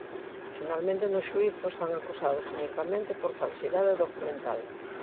Finalmente no xuízo están acusados unicamente por falsidade documental.